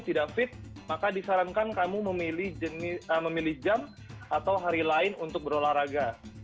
tidak fit maka disarankan kamu memilih jam atau hari lain untuk berolahraga